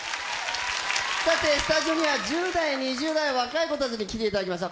スタジオには１０代、２０代、若い子たちに来ていただきました。